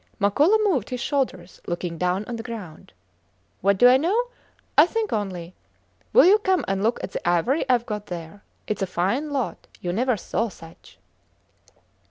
Makola moved his shoulders, looking down on the ground. What do I know? I think only. Will you come and look at the ivory Ive got there? It is a fine lot. You never saw such.